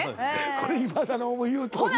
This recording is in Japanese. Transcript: これ今田の言うとおりや。